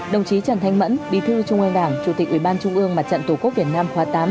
đồng chí trần thanh mẫn bí thư trung ương đảng chủ tịch ủy ban trung ương mặt trận tổ quốc việt nam khóa tám